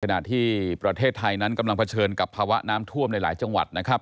ขณะที่ประเทศไทยนั้นกำลังเผชิญกับภาวะน้ำท่วมในหลายจังหวัดนะครับ